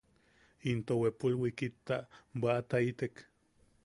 Into wepul wikitta bwaʼataitek.